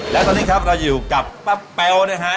และตอนนี้ครับเราอยู่กับป้าแป๊วนะฮะ